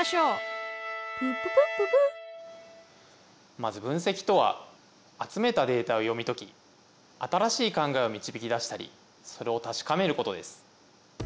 プププッププッまず分析とは集めたデータを読み解き新しい考えを導き出したりそれを確かめることです。